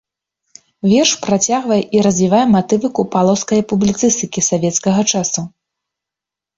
Верш працягвае і развівае матывы купалаўскае публіцыстыкі савецкага часу.